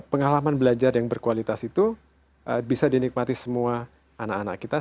pengalaman belajar yang berkualitas itu bisa dinikmati semua anak anak kita